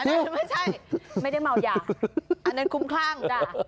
อันนั้นไม่ใช่ไม่ได้เมายาอันนั้นคุ้มคลั่งด่า